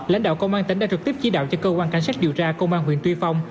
lãnh đạo công an tỉnh đã trực tiếp chỉ đạo cho cơ quan cảnh sát điều tra công an huyện tuy phong